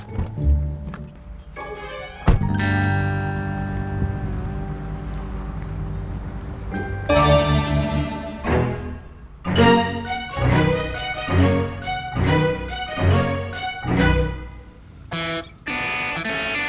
przekan kerja suaryun